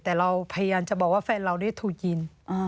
แต่เราพยายามจะบอกว่าแฟนเราได้ถูกยิง